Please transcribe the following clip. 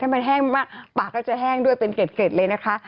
มันแห้งมากปากก็จะแห้งด้วยเป็นเกร็ดเลยนะคะ